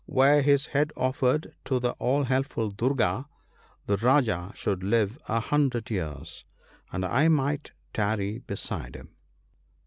Were his head offered to the all helpful Durga, the Rajah should live a hundred years, and I might tarry beside him.'